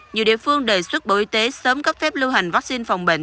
nhiều địa phương đề xuất bộ y tế sớm cấp phép lưu hành vaccine phòng bệnh